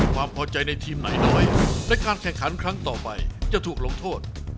ความพอใจในทีมไหนน้อยและการแข่งขันครั้งต่อไปจะถูกลงโทษ